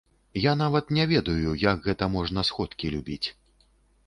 Я нават не ведаю, як гэта можна сходкі любіць.